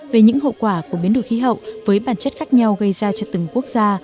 về những hậu quả của biến đổi khí hậu với bản chất khác nhau gây ra cho từng quốc gia